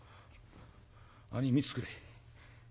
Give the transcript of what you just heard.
兄ぃ見ててくれ。